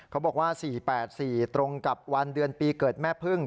เขาบอกว่า๔๘๔ตรงกับวันเดือนปีเกิดแม่พึ่ง